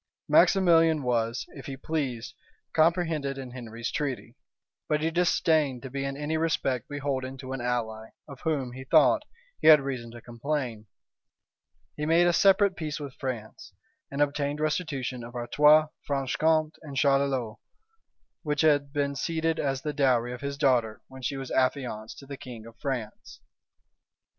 Maximilian was, if he pleased, comprehended in Henry's treaty; but he disdained to be in any respect beholden to an ally, of whom, he thought, he had reason to complain: he made a separate peace with France, and obtained restitution of Artois, Franche Compte, and Charolois, which had been ceded as the dowry of his daughter when she was affianced to the king of France.